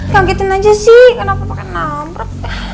kagetin aja sih kenapa pake nabrak